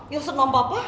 yang senam papa